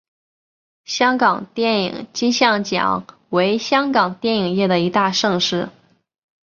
香港电影金像奖为香港电影业的一大盛事。